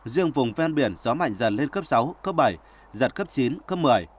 riêng vùng ven biển gió mạnh dần lên cấp sáu cấp bảy giật cấp chín cấp một mươi